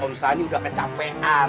om sani udah kecapean